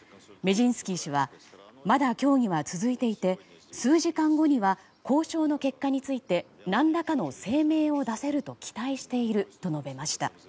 メジンスキー氏はまだ協議は続いていて数時間後には交渉の結果について何らかの声明を出せると期待していると述べました。